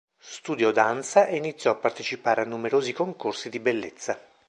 Studiò danza e iniziò a partecipare a numerosi concorsi di bellezza.